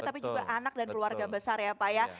tapi juga anak dan keluarga besar ya pak ya